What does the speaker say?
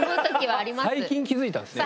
最近気付いたんですね。